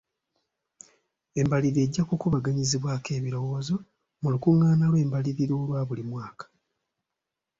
Embalirira ejja kkubaganyizibwako ebirowoozo mu lukungaana lw'embalirira olwa buli mwaka.